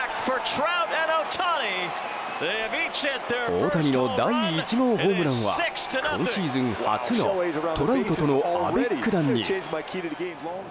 大谷の第１号ホームランは今シーズン初のトラウトとのアベック弾に。